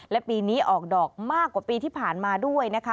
และปีนี้ออกดอกมากกว่าปีที่ผ่านมาด้วยนะคะ